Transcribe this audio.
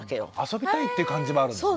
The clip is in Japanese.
遊びたいっていう感じもあるんですね。